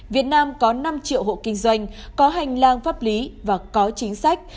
việt nam có năm triệu hộ kinh doanh có hành lang pháp lý và có chính sách